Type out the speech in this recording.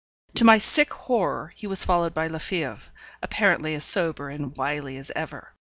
To my sick horror, he was followed by Lefebvre, apparently as sober and wily as ever.